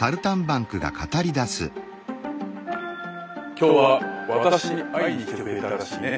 今日は私に会いに来てくれたらしいね。